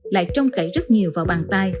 lại trông cậy rất nhiều vào bàn tay